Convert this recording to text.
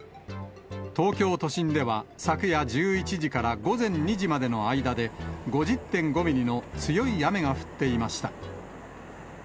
東京都心では、昨夜１１時から午前２時までの間で、５０．５ミリの強い雨が降っていました。